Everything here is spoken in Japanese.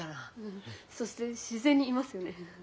うんそして自然にいますよね。